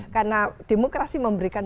karena demokrasi memberikan